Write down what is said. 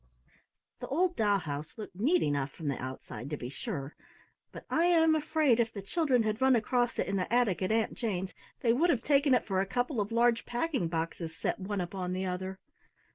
The old doll house looked neat enough from the outside, to be sure, but I am afraid if the children had run across it in the attic at Aunt Jane's they would have taken it for a couple of large packing boxes set one upon the other.